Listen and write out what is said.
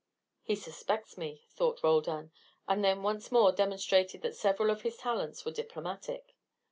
"He suspects me," thought Roldan, and then once more demonstrated that several of his talents were diplomatic.